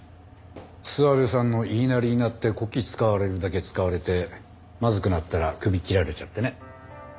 諏訪部さんの言いなりになってこき使われるだけ使われてまずくなったらクビ切られちゃってね。